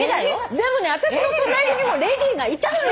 でもね私の隣にもレディーがいたのよ。